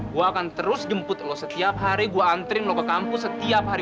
gue akan terus jemput lo setiap hari gue antri mau ke kampus setiap hari